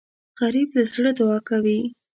غریب له زړه دعا کوي